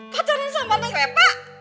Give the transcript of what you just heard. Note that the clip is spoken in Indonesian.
pacaran sama neng reva